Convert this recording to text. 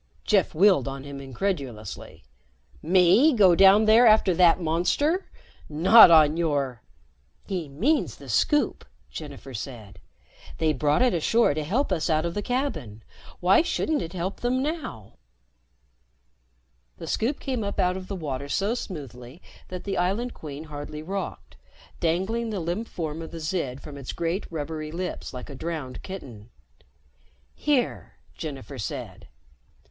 Jeff wheeled on him incredulously. "Me go down there after that monster? Not on your " "He means the Scoop," Jennifer said. "They brought it ashore to help us out of the cabin. Why shouldn't it help them now?" The Scoop came up out of the water so smoothly that the Island Queen hardly rocked, dangling the limp form of the Zid from its great rubbery lips like a drowned kitten. "Here," Jennifer said.